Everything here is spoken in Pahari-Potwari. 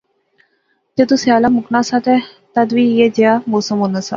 جدوں سیالا مُکنا سا تہ تد وی ایہھے جیا کی موسم ہونا سا